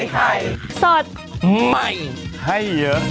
โปรดติดตามตอนต่อไป